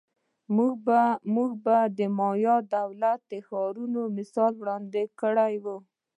موږ به د مایا دولت ښارونو مثال وړاندې کړو